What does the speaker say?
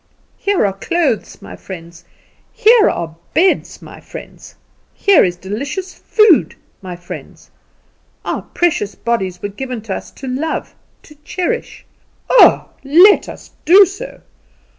Here are clothes, my friends; here are beds, my friends; here is delicious food, my friends. Our precious bodies were given us to love, to cherish. Oh, let us do so!